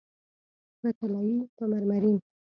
په طلایې، په مرمرین